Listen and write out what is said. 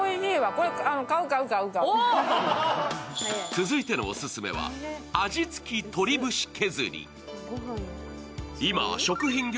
続いてのオススメは、味付き鶏節削り。